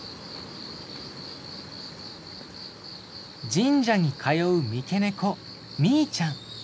神社に通う三毛猫ミィちゃん。